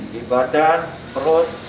di badan perut